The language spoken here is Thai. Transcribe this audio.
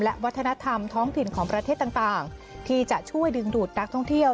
และวัฒนธรรมท้องถิ่นของประเทศต่างที่จะช่วยดึงดูดนักท่องเที่ยว